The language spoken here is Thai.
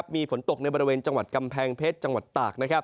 มีฝนตกในบริเวณกำแพงเพชย์จังหวัดตาก